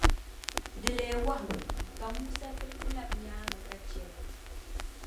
di leei wahu, ka Musa tirisi lab’ nyaaŋa ka chɛ li.